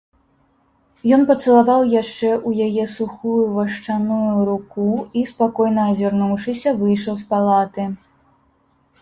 Ён пацалаваў яшчэ ў яе сухую вашчаную руку і, спакойна азірнуўшыся, выйшаў з палаты.